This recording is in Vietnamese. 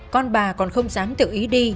con bà còn không dám tự ý đi